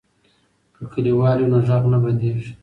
که کلیوال وي نو غږ نه بندیږي.